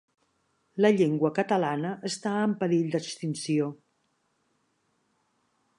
La llengua catalana està en perill d'extinció.